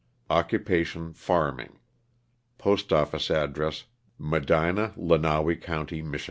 ^* Occupation, farming. Postoflfico address, Medina, Lenawee county, Mich.